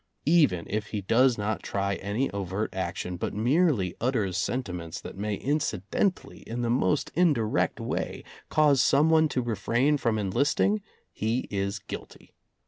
Even if he does not try any overt action, but merely utters sentiments that may in cidentally in the most indirect way cause some one to refrain from enlisting, he is guilty.